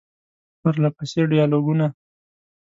پرله پسې ډیالوګونه ،